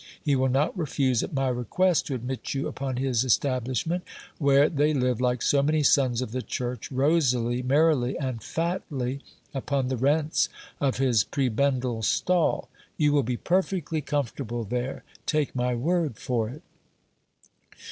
He will not refuse, at my request, to admit you upon his establishment, where they live like so many sons of the church, rosily, merrily, and fatly, upon the rents of his prebendal stall : you will be perfectly comfortable there, take my word for it.